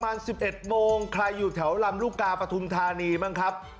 ประมาณ๑๑โมงใครอยู่แถวลำลูกกาปฐุมธานีบ้างครับ